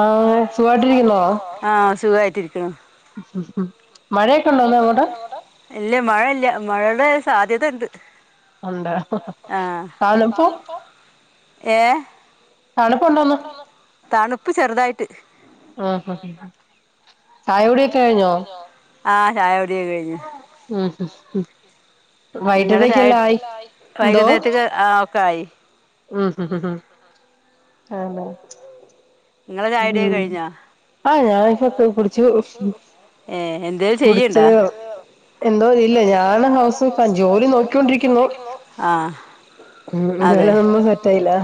ആഹ് സുഖായിട്ടിരിക്കുന്നോ ആഹ് സുഖമായിട്ടിരിക്കുണു ഉം ഉം മഴയൊക്ക ഉണ്ടോന്ന് അവടെ ഇല്ല മഴ ഇല്ല മഴടെ സാധ്യതണ്ട് ഉണ്ട തളുപ്പൊ? ഏഹ് തണുപ്പ് ഉണ്ടോന്ന് തണുപ്പ് ചെറ്തായിട്ട് ആഹ് ഹ ചായുടിയൊക്ക കഴ്ഞ്ഞോ? ആഹ് ചായുടിയൊക കഴിഞ്ഞ് ഉം ഉം ഉം. വൈട്ടത്തേക്കെല്ലാം ആയി എന്തോ ആഹ് ഒക്കായി ഉം ഉം ഉം ഉം ആണോ ഇങ്ങള ചായുടിയൊക കഴ്ഞ്ഞോ? ഏഹ് എന്തേലും ചെയ്യ്ൺണ്ടൊ? എന്തോന്നില്ലേ ഞാന് ഹൗസ് ജോലി നോക്കിക്കോണ്ടിരിക്കുന്നു. ഉം ഇതുവരെ ഒന്നും സെറ്റായിലാ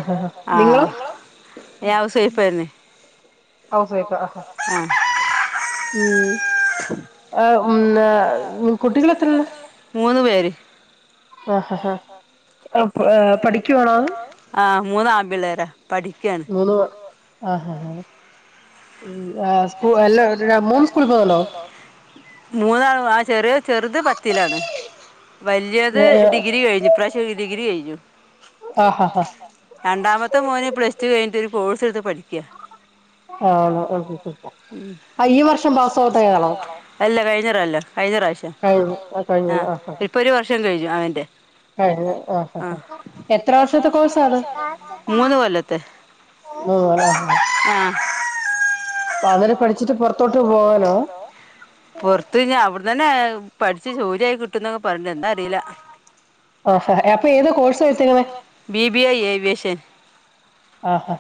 നിങ്ങളൊ ഞാ ഹൗസ് വൈഫ് തന്നെ ഹൗസ് വൈഫ് ആഹ് ഉം ആഹ് ഉം ആഹ് ഉം കുട്ടികള് എത്രെ മൂന്ന് പേര് ആഹ് മൂന്ന് ആമ്പിള്ളാര പഠിക്ക്യാണ് മൂന്ന് ആഹ് ആഹ് ആഹ് ഉം ആഹ് സ്കൂ അല്ല മൂന്നും സ്കൂളി പോവുന്നുണ്ടൊ? മൂന്നാളും ആഹ് ചെറിയ ചെറ്ത് പത്തിലാണ്. വല്യേത് ഡിഗിരി കഴിഞ്ഞ് ഈ പ്രാവശ്യം ഡിഗിരി കഴ്ഞ്ഞു രണ്ടാമത്തെ മോന് പ്ലസ്റ്റു കഴ്ഞ്ഞിട്ട് ഒര് കോഴ്സ്ട്ത്ത് പഠ്ക്ക്യ ആണോ ഉം ഉം ഉം അല്ല കഴിഞ്ഞ റൊല്ലം കഴിഞ്ഞ പ്രാവശ്യം ആഹ് ഇപ്പൊ ഒരു വർഷം കഴ്ഞ്ഞു അവന്റെ കഴ്ഞ്ഞു ആഹ് ആഹ് എത്ര വർഷത്തെ കോഴ്സാത് ഉം ആഹ് ആഹ് മകനു പഠ്ച്ച്ട്ട് പൊറത്തോട്ട് പോകാനാ പൊറ്ത്ത്ഞാ അവിട്ന്നന്നേ പഠ്ച്ച് ജോലിയായി കിട്ടുന്നൊക്ക പറ്ണ്ട് എന്താ ല്ല ബീ ബി എ ഏവിയേഷൻ ആഹ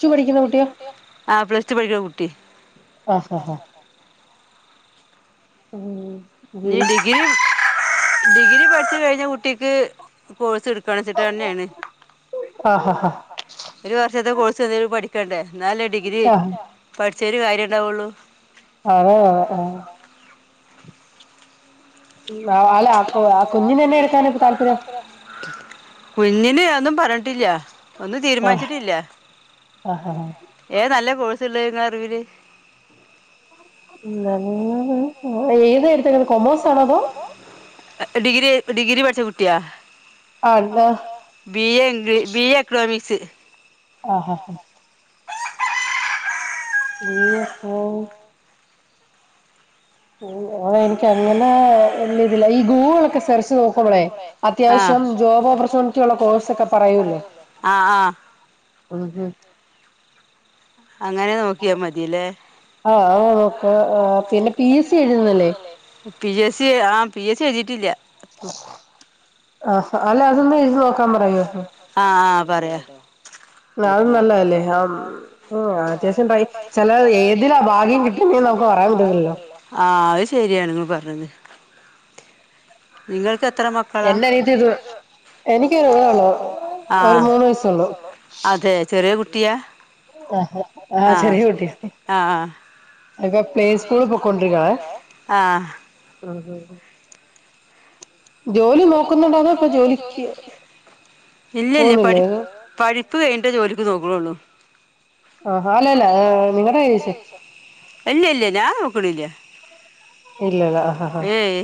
പ്ലസ്ടു പഠിക്ക്ണ കുട്ട്യ ആഹ് പ്ലസ്ടു പഠിക്ക്ന കുട്ടി ആഹഹ ഉം ഇഞി ഡിഗിരി ഡിഗിരി പഠിച്ച് കഴിഞ്ഞ കുട്ടിക്ക് കോഴ്സ് ഇട് കണച്ചിട്ടന്നേണ് ഒരു വർഷത്തെ കോഴ്സ് എന്തേലും പഠിക്കണ്ടേ എന്നാല്ലല്ലേ ഡിഗ്രി പഠിച്ചേന് കാര്യണ്ടാവൊള്ളു അതേ ആഹ് ആഹ് ഉം ആളെ ആകോ ആ കുഞ്ഞിനെന്നെ എടുക്കാനൊരു താല്പര്യം കുഞ്ഞിനെ ആഹ്ഒന്നും പറഞ്ഞിട്ടില്യ ഒന്നും തീരുമാനിച്ചിട്ടില്ല്യ അഹ് ഹാ ഏത നല്ല കോഴ്സ്ള്ളെ ഇങ്ങള അറിവില് നല്ലത് ഏതെട്ത്ത്ക്ക്ണ കൊമേയ്സാണൊ അതോ ഡിഗ്‌രി ഡിഗ്‌രി പഠിച്ച കുട്ടിയ അല്ല ബീ എ ഇംഗ്ലി ബീ എ എക്ക്ണോമിക്സ് ആഹ് ഹാ ഹാ ഇയ്യ ഹോ ഉം ഓഹ് എനിക്കങ്ങനെ വല്യതില്ല ഈ ഗൂഗിളൊക്കെ സെർച്ച് നോക്കുമ്പളെ അത്യാവശ്യം ജോബ് ഓപ്പർച്യൂണിറ്റിള്ള കോഴ്സൊക്കെ പറയൂല്ലോ ഉം അങ്ങനെ നോ ആഹ് ആ നോക്ക പിന്നെ പി എസ് സി എഴുതുന്നില്ലേ പി എസ് സി ആഹ് പി എസ് സി എഴ്തിട്ടില്ല്യ ആഹ് പറയാ കാണാൻ നല്ല അല്ലെ ഉം അത്യാവശ്യംണ്ടയ് ചെല ഏതിലാഭാഗ്യം കിട്ടുന്നെനമുക്ക് പറയാം പറ്റത്തില്ലല്ലോ ആഹ് അഹ് ശെരിയാണ് ങ്ങള്പറഞ്ഞത് നിങ്ങൾക്കെത്ര മക്കളാ? എനിക്ക് ഒരെണ്ണം ഒരു മൂന്ന് വയസുള്ളു ചെറിയ കുട്ടിയ ആ ആഹ് ചെറിയ കുട്ടിയ ആക്കെ പ്ലേ സ്കൂള് പൊക്കൊണ്ടിരിക്കാണെ ജോലി നോക്കുന്നുണ്ടന്നോ ഇപ്പൊ ജോലിക്ക് പോകുന്നില്ലേന്നോ പഠിപ്പ് കഴ്ഞ്ഞിട്ടേ ജോലിക്ക് നോക്കുണൊള്ളൂ ആഹാ അല്ലല്ല നിങ്ങടെര്യായ്ച്ചെ ഇല്യല്ല്യ ഞാൻ നോക്കിണില്യ ഇല്ലലേ ഏയ്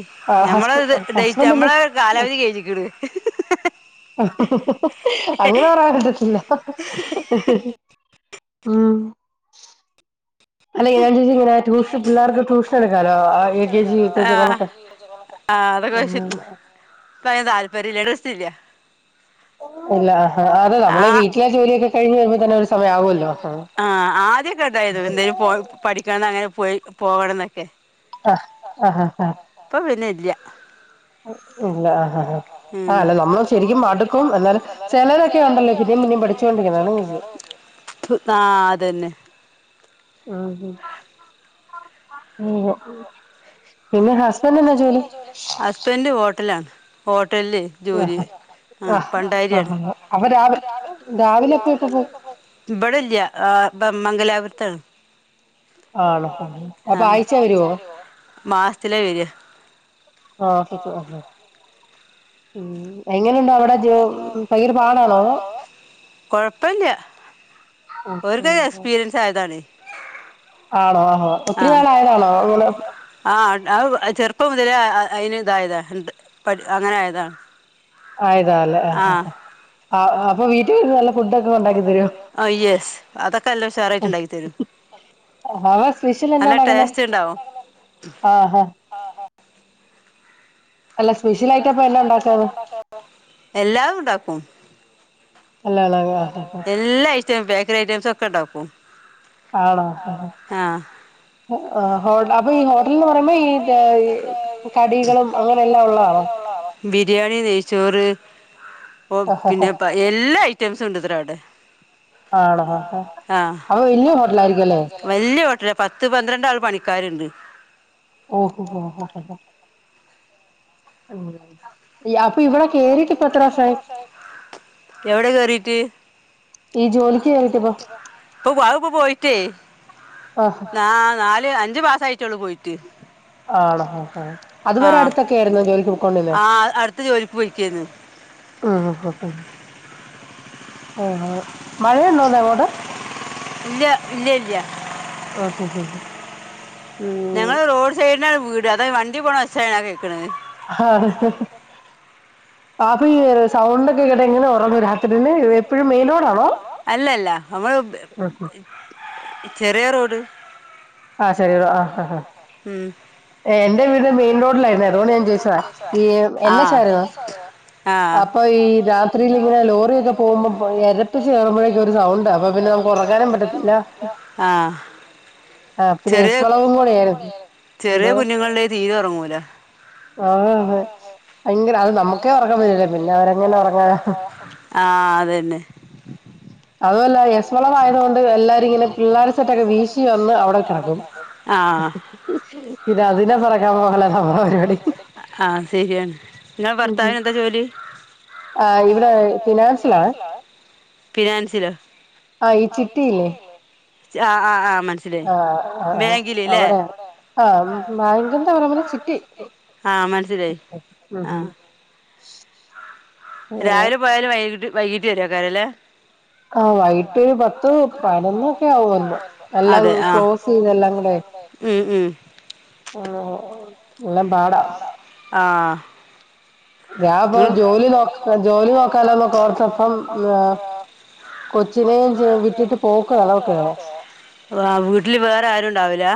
ഞമ്മള ത് ഡേറ്റ് അ ഞമ്മളെ കാലാവധി കൈഞ്ഞ്ക്കിണ് അങ്ങനെ പറയാൻ പറ്റത്തില്ല ഉം അല്ല ഞാൻ ചോയ്ച്ചങ്ങനെ ട്യൂഷ്ൻ പിള്ളേർക്ക് ട്യൂഷൻ എടുക്കാലോ അ K G U K G അങ്ങനൊക്കെ ആഹ് അതൊക്കെ പക്ഷെ ഇപ്പയ്ന് താല്പര്യല്യ ഇട്രസ്റ്റില്ല്യ ഇല്ലാ അത് നമ്മളെ വീട്ടിലെ ജോലിയൊക്കെ കഴിഞ്ഞ് വരുമ്പോതന്നെ ഒരു സമയാവൊല്ലോ ആഹ് ആഹ് ആദ്യക്കെണ്ടയ്നി എന്തേലും പോയി പഠിക്കണംന്ന് ങ്ങനെ പോയി പോകണംന്നെക്കെ അഹ് ഹ ഹാ ഇപ്പൊ പിന്നെ ഇല്ല്യ ഇല്ല അഹ് ഹ ഹ ഹാ ആഹ് അല്ല നമ്മള് ശെരിക്കും മടുക്കും എന്നാലും ചെലരൊക്കെ ഒണ്ടല്ലേ പിന്നേം പിന്നേം പഠി പഠിച്ചോണ്ടിരിക്ക്ണാ ണീസിയ ആഹ് അതന്നെ ആഹാ ഓഹ് ആഹ് പിന്നെ ഹസ്ബന്റ് എന്നാ ജോലി ഹസ്ബെന്റ് ഹോട്ടലാണ് ഹോട്ടല്ല് ജോലി ആഹ് പണ്ടാര്യാണ് ഇബടല്ല്യ ഏഹ് ഭ മംഗലാപുര്ത്താണ് ആണോ അപ്പൊ ആഴ്‌ചേ വരുവോ? മാസത്തിലാ വെര ആഹ ഹാഹാ ഉം എങ്ങനെണ്ടവിടെ ജോ ഭയങ്കര പാടാണോ? ല്ല ഓരത് എക്സ്പീരിയൻസ് ആയതാണ് ആണോ ഹോ ഒത്തിരി നാളായതാണോ അത് ആ അയ് ചെറുപ്പം മുതലേ അതിന് ഇതായതാ ന്ന്ട്ട് പ അങ്ങനെ ആയതാ ആയതാ അല്ലേ ആഹ് ആഹ് ആ അപ്പൊ വീട്ടിന്ന് നല്ല ഫുഡൊക്കെ ഉണ്ടാക്കി തരൊ? അവ സ്പിഷ്യൽ എന്ന്നാ ഉണ്ടാക്കുന്നെ ആഹ അല്ല സ്പെഷ്യൽ ആയിട്ട അപ്പ എന്നെ ഉണ്ടാക്കന്നത് എല്ലാം ഉണ്ടാക്കും അല്ലല്ല ഹാ എല്ലാ ഐറ്റം ബേക്കറി ഐറ്റംസൊക്കെ ണ്ടാക്കും. ആണോ? [unintelligible] ഹോട്ട അപ്പൊ ഈ ഹോട്ടൽ ന്ന് പറയുമ്പോ ഈ കടികളും അങ്ങനെ എല്ലാം ഉള്ള ആണോ? ബിരിയാണി നെയ്ച്ചോറ് ഓ പിന്നെ പ്പാ എല്ലാ ഐറ്റംസും ഉണ്ട്ത്ര അവ്ടെ ആണോ? ഹെ അപ്പൊ വല്ല്യ ഹോട്ടലായിരിക്കു അല്ലേ? വല്യ ഹോട്ടല പത്ത് പന്ത്രണ്ടാള് പണിക്കാരിണ്ട്. ഓഹോ ഹൊ ഹൊ ഹൊ ഹ ഹ അപ്പി ഇവിടെ കേറീട്ട് ഇപ്പൊ എത്ര വർഷായി. എവിടാ കേറീട്ട്? അഹ്പോ പോയിട്ടേ നാ നാല് അഞ്ചു മാസ സആയിട്ടൊള്ളൂ പോയിട്ട്. ആണോ? ഹൊ ഹൊ അത് വരെ അടുത്തൊക്കെ ആയിരുന്നു ജോലിക്ക് പോക്കോണ്ടിന്നെ ജോലിക് പോയ് കേന് ഉും ഹും ഹും ആഹ് മഴൻടോ അങ്ങോട്ട്. ഇല്ല്യ ഇല്ലല്ല്യ [unintelligible] ഞങ്ങള് റോഡ് സൈഡിനാണ് വീട് അതയ് വണ്ടി പോണ ഒച്ചആണ് ആ കേക്കണത്. ആഹ് ഹി ഹി അപ്പൊ ഈ സൗണ്ടക്കെ കേട്ട് എങ്ങനെ ഓറങ്ങും രാത്രില്. എപ്പോഴും മെയിൻറോഡാണോ? അല്ലല്ല നമ്മള് [unintelligible] ചെറിയ റോഡ് ആഹാ ചെറിയറോ ഹാ ഹാ. ഹും എന്റെ വീട് മെയിൻ റോഡിലായിരുന്നെ. അതുകോണ്ട് ഞാൻ ചോയിച്ചതാ ഈ എന്നച്ചായിരുന്നോ? അപ്പൊ ഈ രാത്രിലിങ്ങനെ ലോറി ഒക്കെ പോകുമ്പോ എരപ്പിച്ച് കേറുമ്പഴേക്കൊരു സൗണ്ട അപ്പൊ പിന്നെ നമുക്ക് ഓറ ങ്ങാനും പറ്റത്തില്ല. ആഹ് ചെറിയ ചെറിയ കുഞ്ഞുങ്ങളുണ്ടെ തീരെ ഒറങ്ങൂല ആ അതെ ഭയങ്കര അത് നമ്മുക്കേ ഉറക്കം വരൂല പിന്നെ അവരെങ്ങനെ ഉറങ്ങാനാ. ആഹ് അതെന്നെ. [unintelligible] അതുമല്ല, എസ് വളവ് ആയതു കൊണ്ട് എല്ലാരും ഇങ്ങനെ പിള്ളേരു സെറ്റൊക്കെ വീശി വന്ന് അവിടെ കെടക്കും. ഇതതിനെ പെറക്കാൻ പോകല നമ്മളെ പരിപാടി. ആഹ് ശരിയാണ് ഇങ്ങള് ഭർത്താവിന് എന്താ ജോലി? ആ ഇവിടെ ഫിനാൻസിലാണ് ആഹ് ഈ ചിട്ടിയില്ലേ? ആഹ് ആഹ് ആഹ് മനസ്സിലായി ബേങ്കിലി ല്ലേ? ആ ബാങ്ക്ൻറ് ആണ് ആഹ് മനസിലായി ആഹ് [unintelligible] രാവിലെ പോയാലു വൈകിട്ട് വൈകീട്ട് വരാക്കാരു അല്ലേ? ആഹ് വൈകിട്ട് പത്തു പതിനൊന്നു ഒക്കെ ആകും വരുമ്പോ എല്ലാം ക്ലോസെയ്തല്ലാം കൂടെ ഉും ഉും ഓം ഓ എല്ലം പാടാ ആഹാ ഞാൻപ്പ ജോലി നോക്ക ജോലി നോക്കാലോ നോക്ക ഓർത്തപ്പം ആഹ് കൊച്ചിനേ ജെ വിട്ടിട്ട് പോക്ക അതോക്കെ ആഹ് വീട്ടില് വേറെ ആരുംണ്ടാവല്ല?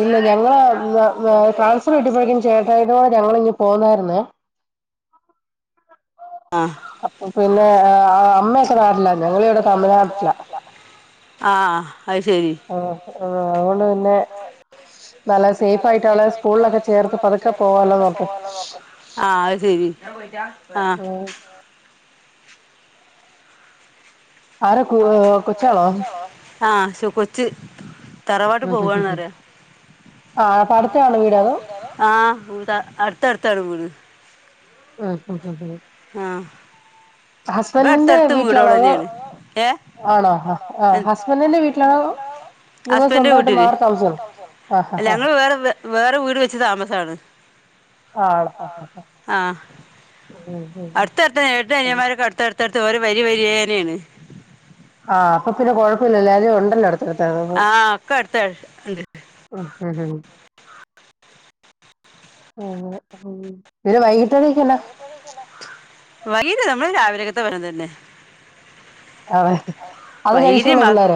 ഇല്ല ഞങ്ങള് ട്രാൻസ്ഫർ ഇട്ടപ്പോഴേക്കും ചേട്ടായതോണ്ട് ഞങ്ങ ഇങ്ങങ് പോന്നായിരുന്ന് ആഹ് അപ്പൊ പിന്നെ അമ്മയൊക്കെ നാട്ടില്ലാ ഞങ്ങള് ഇവിടെ തമിഴ്നാട്ടില്ലാ ആഹ് അത് ശെരി [unintelligible] അതൊണ്ട് പിന്നെ നല്ല സേഫ് ആയിട്ട് അവളെ സ്കൂളിലൊക്കെ ചേർത്ത് പതുക്കെ പോവാലോന്ന് ഓർത്ത്. തെരി ആഹ്. ആരകൂവ് കൊച്ചാണോ? ആഹ് ശോ കൊച്ച് തറവാട്ട് പോവാണ്ന്നറിയ. ആഹ് അടുത്ത അട്ത്തണ് വീട്. ആഹ് ഹു ഹു ഹും. ആഹ് ഇബ അടുത്തടുത്ത വീടോളന്നെയാണ്. ഏഹ് ആണോ ഹസ്ബന്റിന്റെ വീട്ടിലാണോ? ഹസ്ബന്റെ വീട്ടില് അല്ല ഞങ്ങള് വേറെ വേറെ വീട് വെച്ച് താമസാണ്. ആണ് ഹ് ഹ ഹ ഉം. അടുത്ത അടുത്ത ഏട്ടന് അനിയന്മാരൊക്കെ അടുത്തടുത്തടുത്ത് വരി വരി വരിയനെയാണ്. ആഹ് അപ്പൊ പിന്നെ കൊഴപ്പില്ലല്ല എല്ലാരും ഉണ്ടല്ലോ അടുത്തടുത്ത്. [unintelligible] ആഹ്. ആഹ് അങ്ങനെ പിന്നെ വൈകീട്ടരക്കെന്ന? വൈകിട്ടു നമ്മള് രാവിലെയൊക്കത്തെ വരുന്നന്നെ. അതെ അത് കഴിചോളോ പിള്ളോര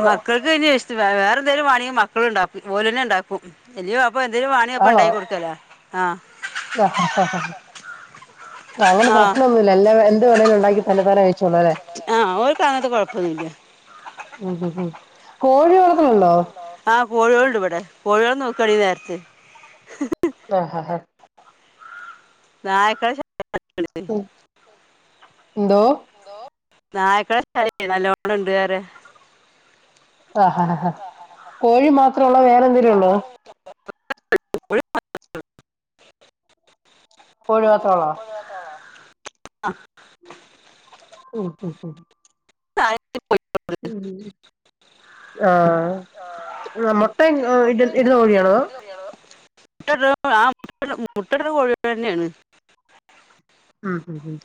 ആഹ്. ഇതു വലിയ ഇഷ്ട വെ വേറെന്തെലും വേണെങ്കിൽ മക്കളുണ്ടാക്കും ഓലന്നെ ഉണ്ടാക്കും വലിയ അപ്പൊ എന്തേലും വാണി അപ്പൊ ഉണ്ടാക്കി കൊടുക്കല ആഹ് അങ്ങനെ പ്രശ്നൊന്നുമില്ല എല്ലാ എന്ത് വേണേലും ഉണ്ടാക്കി തന്നെ താന കഴി ആഹ് ഓൽക്കങ്ങൻത്ത കൊഴപ്പൊന്നില്ല. ഉം ഉം ഉം കോഴി വളർത്തണുണ്ടോ? ആഹ് കോഴോളിണ്ട് ഇവിടെ കോഴിയോൾ നോക്കണെങ്കി നേരത്ത് ആഹ് ഹ ഹ. നായക്കളെ ശൽ ഉം എന്തോ? നായക്കളെ ശല്യം നല്ലോണം ഉണ്ട് ന്നറിയ. ആഹ് ഹ ഹ കോഴി മാത്രോള്ളോ വേറെ എന്തെലും ഉള്ളോ? കോഴി മാത്രള്ളോ? [unintelligible] ഉം ഉം ഉം തായേക്ക് പൊയി ഉം ഉം ഉം ആഹ് മൊട്ടയും ഇഹ് ഇടുന്ന കോഴിയാണോ? മുട്ട ഇടു ആഹ് മുട്ടട് ണ മുട്ട ഇടണ കോഴി തന്നെയാണ്. ഹും.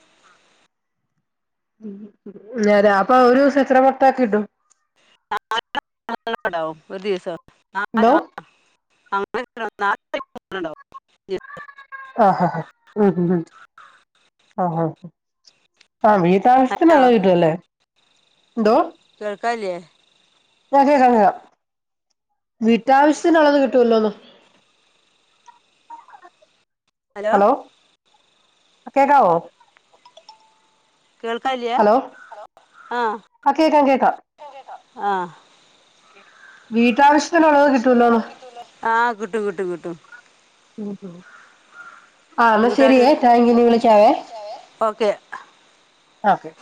ഉം നേരാ അപ്പൊ ഒരു ദിവസ എത്ര മൊട്ട ഒക്കെ ഇടും? [unintelligible] ഒരു ദിവസം [unintelligible] [unintelligible] ആഹ് ഹ ഹ ഉം ഹു ഹും ആഹ് ഹ. ആഹ് വീട്ടാവിശ്യത്തിന് ഉള്ളത് കിട്ടും അല്ലേ എന്തോ? കേൾക്കാല്യേ? കേക്കാം കേൾക്കാം വീട്ടാവശ്യത്തിന് ഒള്ളത് കിട്ടുവല്ലോന്നോ? ഹലോ കേക്കാവോ? കേൾക്കാല്യ. ഹലോ ആഹ് കേക്കാം കേക്കാം. വീട്ടാവശ്യ ആഹ് കിട്ടും കിട്ടും കിട്ടും. ആഹ് എന്നാ ശെരിയെ താങ്ക് യു ഇനി വിളിക്കാവേ. ആഹ് ഓക്കെ.